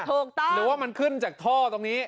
หรือว่ามันขึ้นจากท่อตรงนี้